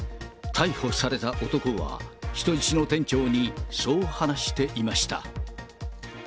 逮捕された男は、人質の店長にそう話していました。